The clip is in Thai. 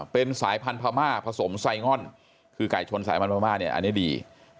เป็นสายพันธุ์พามาผสมไซ่ง่อนคือไก่ชนสายพันธุ์พามาอันนี้ดี